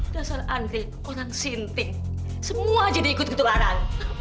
dasar andre orang sintik semua jadi ikut ikut orang